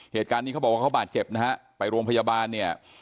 เหตุการณ์นี้เขาบอกว่าเขาบาดเจ็บนะฮะไปโรงพยาบาลเนี่ย